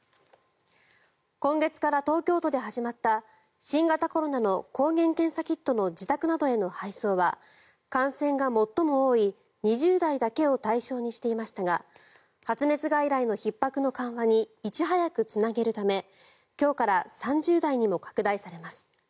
今月から東京都で始まった新型コロナの抗原検査キットの自宅などへの配送は感染が最も多い２０代だけを対象にしていましたが発熱外来のひっ迫の緩和にいち早くつなげるため今日から３０代にも拡大されます。